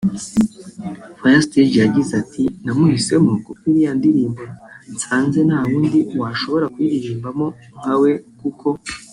Fire Stage yagize ati “ Namuhisemo kuko iriya ndirimbo nsanze ntawundi washobora kuyiririmbamo nka we kuko